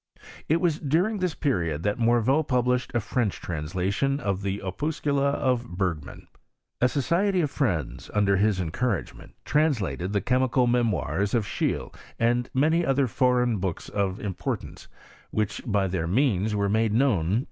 It was during this period that Morveau published a French translation of the Opuscula of Bergman. A society of friends, under his encouragement, trans lated the chemical memoirs of Scheele and many dlher foreign books of importance, which by their 184 HUTOKT am cmmmsarmw.